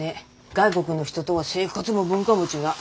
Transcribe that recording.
外国の人とは生活も文化も違う。